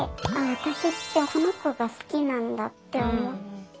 私ってこの子が好きなんだって。